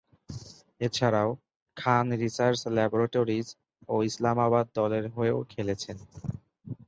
এছাড়াও, Khan research laboratories ও ইসলামাবাদ দলের হয়েও খেলেছেন।